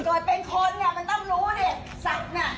เป็นคนเนี่ยมันต้องรู้ดิสัตว์น่ะ